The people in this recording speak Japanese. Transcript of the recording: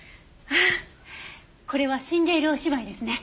あっこれは死んでいるお芝居ですね。